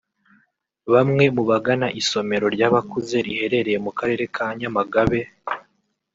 Bamwe mu bagana isomero ry’abakuze riherereye mu karere ka Nyamagabe